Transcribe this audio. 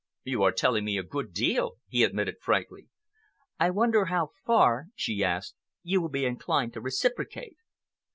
"You are telling me a good deal," he admitted frankly. "I wonder how far," she asked, "you will be inclined to reciprocate?"